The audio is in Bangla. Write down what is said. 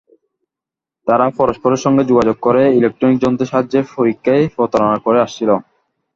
তারা পরস্পরের সঙ্গে যোগাযোগ করে ইলেকট্রনিক যন্ত্রের সাহায্যে পরীক্ষায় প্রতারণা করে আসছিল।